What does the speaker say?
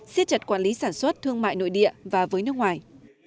siết chặt quản lý sản xuất thương mại nội địa và với nước ngoài